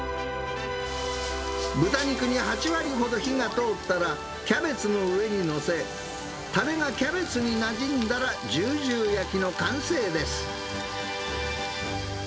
豚肉に８割ほど火が通ったら、キャベツの上に載せ、たれがキャベツになじんだら、じゅうじゅう焼きの完成です。